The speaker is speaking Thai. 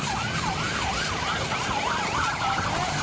ก่อนรถด้วยครับจอดรถด้วย